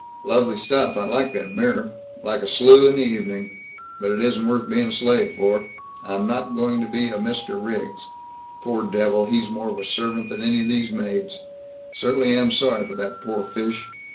"Lovely stuff. I like that mirror. Like a slew in the evening. But it isn't worth being a slave for. I'm not going to be a Mr. Riggs. Poor devil, he's more of a servant than any of these maids. Certainly am sorry for that poor fish.